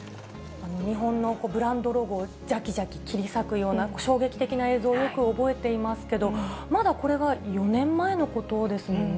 日本のブランドロゴをじゃきじゃき切り裂くような衝撃的な映像をよく覚えていますけれども、まだこれが４年前のことですもんね。